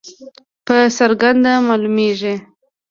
په څرګنده معلومیږي.